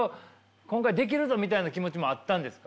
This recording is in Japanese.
今回できるぞみたいな気持ちもあったんですか？